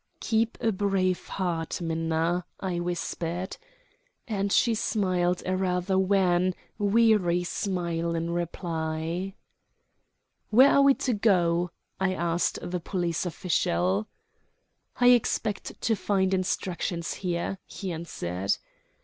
"Keep a brave heart, Minna," I whispered. And she smiled a rather wan, weary smile in reply. "Where are we to go?" I asked the police official. "I expect to find instructions here," he answered.